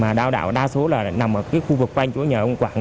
mà đạo đạo đa số là nằm ở cái khu vực quanh của nhà ông quảng